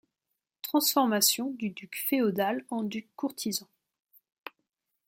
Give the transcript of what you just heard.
Transformation du duc féodal en duc courtisan.